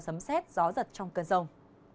sấm xét gió giật trong cơn rồng